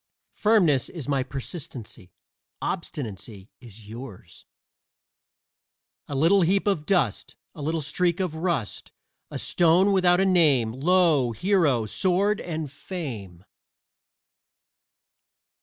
Firmness is my persistency; obstinacy is yours. A little heap of dust, A little streak of rust, A stone without a name Lo! hero, sword and fame.